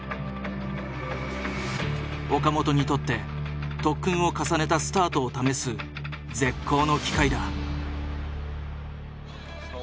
岡本にとって特訓を重ねたスタートを試す絶好の機会だ。